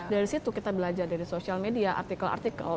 dari situ kita belajar dari sosial media artikel artikel